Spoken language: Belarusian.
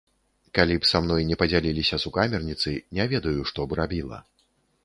Калі б са мной не падзяліліся сукамерніцы, не ведаю, што б рабіла.